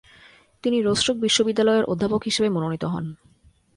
তিনি রোস্টক বিশ্ববিদ্যালয়ের অধ্যাপক হিসাবে মনোনীত হন।